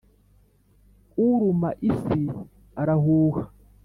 Uruma Isi arahuha.